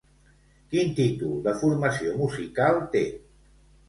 Quin títol de formació musical té?